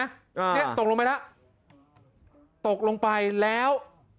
เนี่ยตกลงไปแล้วตกลงไปแล้ว